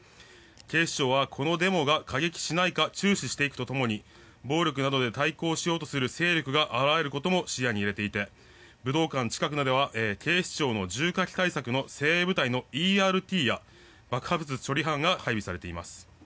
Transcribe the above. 警視庁はこのデモが過激しないか注視していくとともに暴力などで対抗しようとする勢力が現れることも視野に入れていて武道館近くでは警視庁の重火器対策の政府の警備のＥＲＴや、爆発物処理班が配備されています。